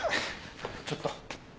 ちょっと。